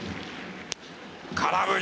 空振り。